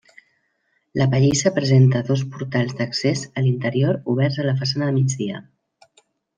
La pallissa presenta dos portals d'accés a l'interior oberts a la façana de migdia.